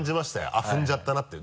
「あっ踏んじゃったな」っていう。